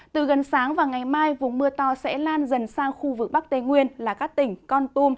từ gần sáng và ngày mai vùng mưa to sẽ lan dần sang khu vực bắc tây nguyên là các tỉnh con tum